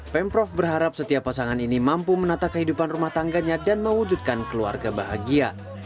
pemprov berharap setiap pasangan ini mampu menata kehidupan rumah tangganya dan mewujudkan keluarga bahagia